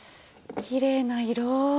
きれいな色。